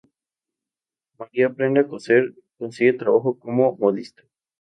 María aprende a coser y consigue trabajo como modista.